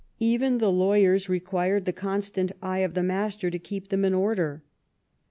Even the lawyers required the constant eye of the master to keep them in order.